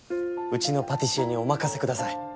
うちのパティシエにお任せください。